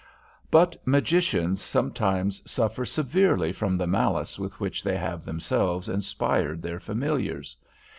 But magicians sometimes suffer severely from the malice with which they have themselves inspired their familiars.